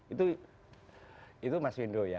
itu itu mas wendo ya